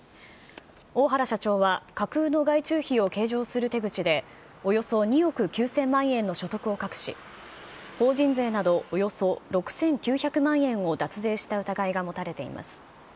大原社長は架空の外注費を計上する手口で、およそ２億９０００万円の所得を隠し、法人税などおよそ６９００万円を脱税した疑いが持たれています。